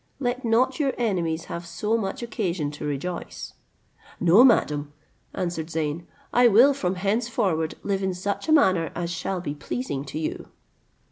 Let not your enemies have so much occasion to rejoice." "No, madam," answered Zeyn, "I will from henceforward live in such a manner as shall be pleasing to you."